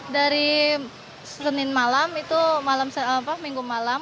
dari senin malam itu malam minggu malam